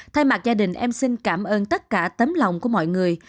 thay mặt gia đình em xin cảm ơn tất cả tấm lòng của mọi người